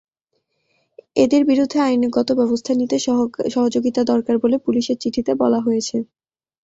এঁদের বিরুদ্ধে আইনগত ব্যবস্থা নিতে সহযোগিতা দরকার বলে পুলিশের চিঠিতে বলা হয়েছে।